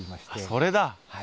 それだ。